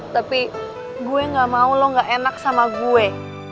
tapi gue gak mau lo gak enak sama gue